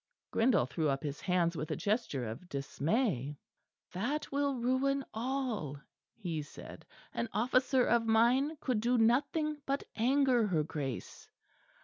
Grindal threw up his hands with a gesture of dismay. "That will ruin all," he said. "An officer of mine could do nothing but anger her Grace."